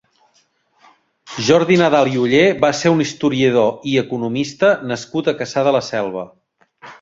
Jordi Nadal i Oller va ser un historiador i economista nascut a Cassà de la Selva.